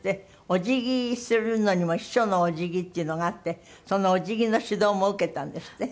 お辞儀するのにも秘書のお辞儀っていうのがあってそのお辞儀の指導も受けたんですって？